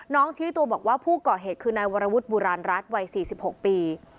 น้องชีวิตตัวบอกว่าผู้เกาะเหตุคือนายวรวิทย์บุราณรัฐวัย๔๖ปี